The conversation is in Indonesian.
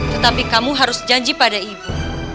tetapi kamu harus janji pada ibu